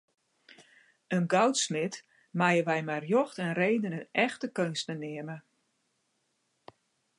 In goudsmid meie wy mei rjocht en reden in echte keunstner neame.